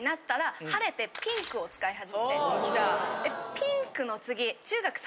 ピンクの次。